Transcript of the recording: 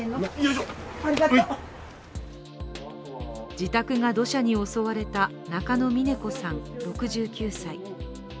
自宅が土砂に襲われた中野峰子さん６９歳。